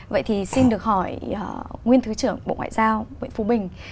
vậy thì xin được hỏi nguyên thứ trưởng bộ ngoại giao nguyễn phú bình